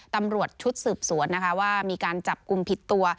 ตำรวจชุดสืบสวนนะคะว่ามีการจับกลุ่มผิดตัว